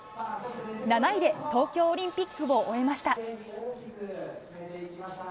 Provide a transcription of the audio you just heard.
７位で東京オリンピックを終えました。